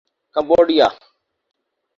Cambodia